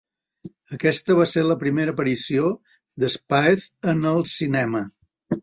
Aquesta va ser la primera aparició de Spaeth en el cinema.